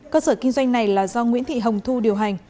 cơ sở kinh doanh này là do nguyễn thị hồng thu